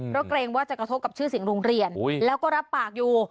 เพราะเกรงว่าจะกระทบกับชื่อเสียงโรงเรียนแล้วก็รับปากอยู่